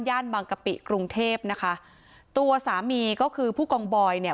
บางกะปิกรุงเทพนะคะตัวสามีก็คือผู้กองบอยเนี่ย